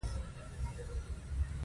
انجینر باید د دوکه ورکولو څخه ډډه وکړي.